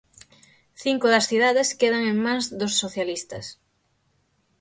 Cinco das cidades quedan en mans dos socialistas.